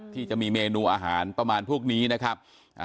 ที่จะมีเมนูอาหารประมาณพวกนี้นะครับ